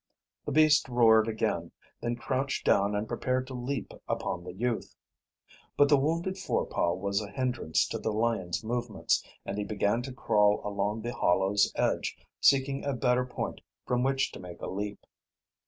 The beast roared again, then crouched down and prepared to leap upon the youth. But the wounded forepaw was a hindrance to the lion's movements, and he began to crawl along the hollow's edge, seeking a better point from which to make a leap.